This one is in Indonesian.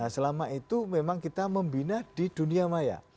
selama itu memang kita membina di dunia maya